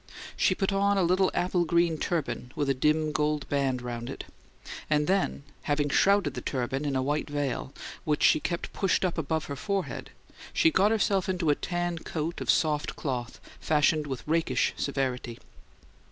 She put on a little apple green turban with a dim gold band round it, and then, having shrouded the turban in a white veil, which she kept pushed up above her forehead, she got herself into a tan coat of soft cloth fashioned with rakish severity.